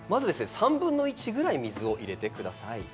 ３分の１ぐらい水を入れてください。